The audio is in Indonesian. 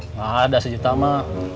enggak ada sejuta emang